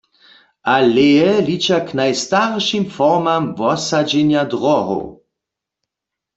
Aleje liča k najstaršim formam wosadźenja dróhow.